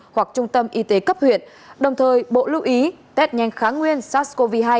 hoặc trung tâm y tế cấp huyện đồng thời bộ lưu ý tết nhanh kháng nguyên sars cov hai